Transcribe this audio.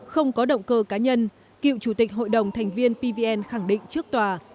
không có động cơ cá nhân cựu chủ tịch hội đồng thành viên pvn khẳng định trước tòa